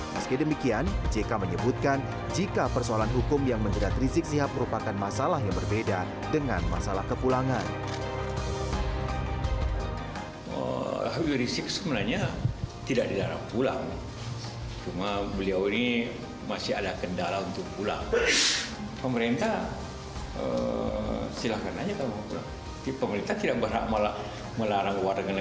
meski demikian jk menyebutkan jika persoalan hukum yang menjadat rizik sihab merupakan masalah yang berbeda dengan masalah kepulangan